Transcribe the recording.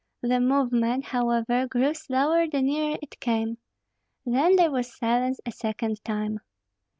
The movement, however, grew slower the nearer it came. Then there was silence a second time.